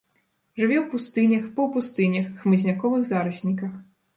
Жыве ў пустынях, паўпустынях, хмызняковых зарасніках.